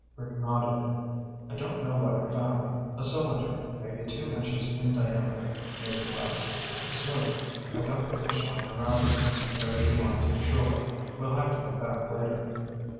Rick nodded. "I don't know what I found. A cylinder, maybe two inches in diameter, maybe less. Smooth. I got the fish line around it and carried the line to the shore. We'll have to come back later."